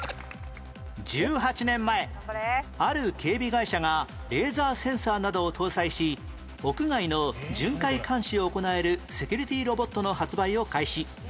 １８年前ある警備会社がレーザーセンサーなどを搭載し屋外の巡回監視を行えるセキュリティーロボットの発売を開始